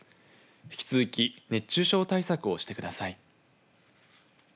引き続き熱中症対策をしてください。